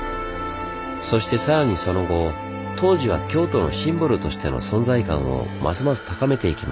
そしてさらにその後東寺は京都のシンボルとしての存在感をますます高めていきます。